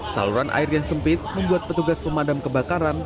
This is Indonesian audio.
saluran air yang sempit membuat petugas pemadam kebakaran